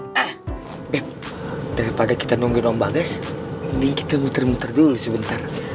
nah bep daripada kita nonggin omba gas mending kita muter muter dulu sebentar